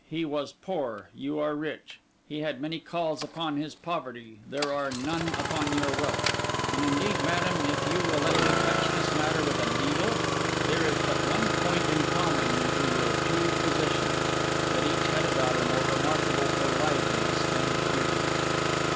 He was poor, you are rich. He had many calls upon his poverty: there are none upon your wealth. And indeed, madam, if you will let me touch this matter with a needle, there is but one point in common to your two positions: that each had a daughter more remarkable for liveliness than duty.